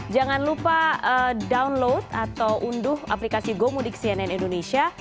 jangan lupa download atau unduh aplikasi gomudik cnn indonesia